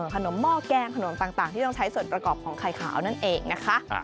หม้อแกงขนมต่างที่ต้องใช้ส่วนประกอบของไข่ขาวนั่นเองนะคะ